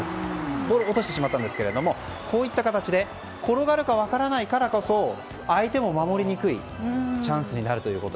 ボールを落としてしまったんですがこういった形で転がるか分からないからこそ相手も守りにくいのでチャンスになるという。